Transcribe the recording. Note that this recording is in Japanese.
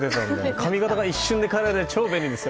髪形が一瞬で変えられて超便利ですよ。